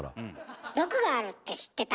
毒があるって知ってた？